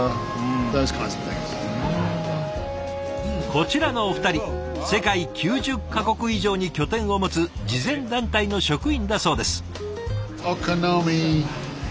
こちらのお二人世界９０か国以上に拠点を持つ慈善団体の職員だそうです。